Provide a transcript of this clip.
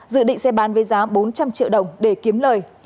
dự định xe bán với giá bốn trăm linh triệu đồng để kiếm lời